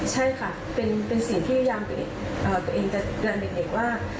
ใช่ค่ะเป็นสิ่งที่พยายามตัวเองจะเตือนเด็กว่า